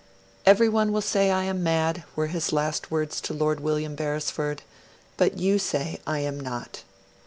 'Every one will say I am mad,' were his last words to Lord William Beresford; 'but you say I am not.'